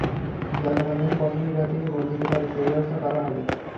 জনগণ যেন পছন্দের প্রার্থীকে ভোট দিতে পারে, সেই ব্যবস্থা করা হবে।